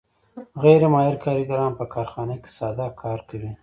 غیر ماهر کارګران په کارخانه کې ساده کار کوي